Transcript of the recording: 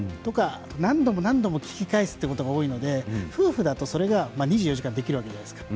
何度も何度も聞き返すってことが多いので夫婦だと、それが２４時間できるわけじゃないですか。